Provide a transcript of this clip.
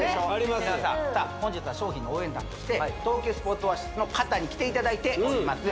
皆さん本日は商品の応援団として東急スポーツオアシスの方に来ていただいております